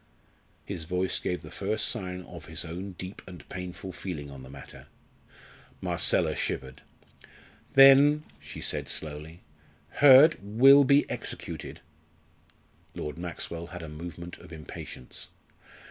His voice gave the first sign of his own deep and painful feeling on the matter. Marcella shivered. "Then," she said slowly, "Hurd will be executed." Lord Maxwell had a movement of impatience.